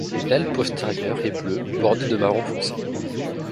L'aile postérieure est bleue bordée de marron foncé.